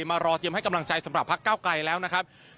มารอเตรียมให้กำลังใจสำหรับพักเก้าไกลแล้วนะครับ